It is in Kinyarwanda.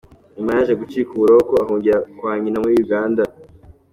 Nyuma yaje gucika uburoko ahungira kwa nyina muri Uganda.